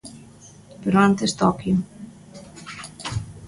Pero antes Toquio.